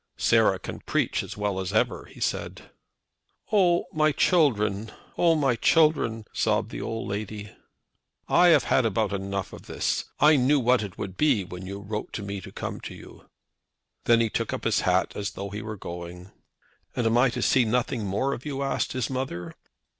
"Sarah can preach as well as ever," he said. "Oh! my children, oh! my children!" sobbed the old lady. "I have had about enough of this. I knew what it would be when you wrote to me to come to you." Then he took up his hat, as though he were going. "And am I to see nothing more of you?" asked his mother.